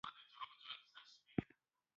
هر انسان خپل خیال لري.